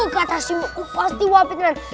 katasimu pasti wapit tenang